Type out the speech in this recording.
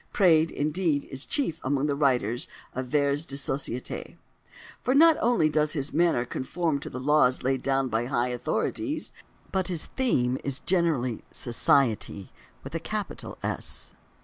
Praed, indeed, is the chief among writers of "vers de société," for not only does his manner conform to the laws laid down by high authorities, but his theme is generally "Society" with a capital S.